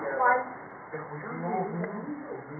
เจ้านี่กันเลยเซื่อ